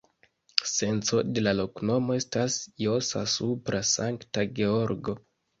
Senco de la loknomo estas: jasa-supra-Sankta-Georgo.